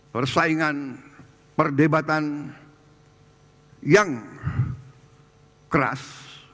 persaingan perdebatan yang keras